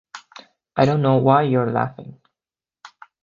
I don’t know why you’re laughing.